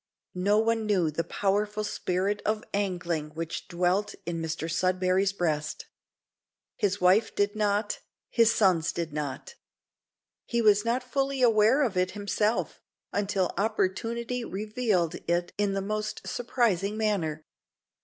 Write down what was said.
No one knew the powerful spirit of angling which dwelt in Mr Sudberry's breast. His wife did not, his sons did not. He was not fully aware of it himself, until opportunity revealed it in the most surprising manner.